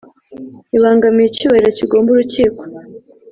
ibangamiye icyubahiro kigomba Urukiko